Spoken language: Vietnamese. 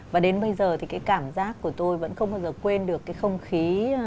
và đến bây giờ thì cái cảm giác của tôi vẫn không bao giờ quên được cái không khí